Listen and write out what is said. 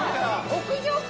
屋上か。